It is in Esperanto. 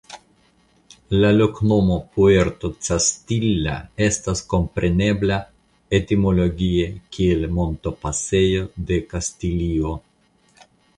La loknomo "Puerto Castilla" estas komprenebla etimologie kiel "Montopasejo de Kastilio".